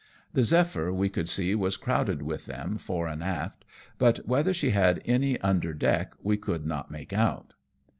The Zephyr we could see was crowded with them fore and aft, but whether she had any under deck we could not make out.